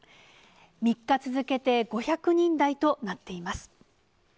３日続けて５００人台となっています。